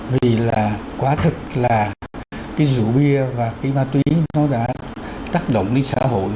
vì là quá thật là cái rượu bia và cái ma túy nó đã tác động đến xã hội